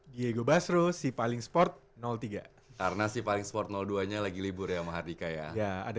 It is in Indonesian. diego basro si paling sport tiga karena si paling sport dua nya lagi libur ya mahardika ya ada